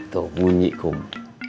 tuh bunyi kum